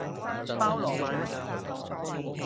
包羅萬象